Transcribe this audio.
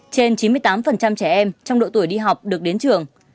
trên chín mươi tám trẻ em trong độ tuổi đi học được đến trường